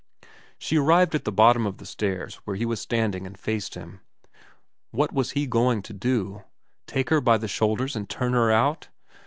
She arrived at the bottom of the stairs where he was standing and faced him. What was he going to do ? Take her by the shoulders and turn her out